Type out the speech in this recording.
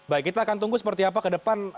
baik kita akan tunggu seperti apa kedepan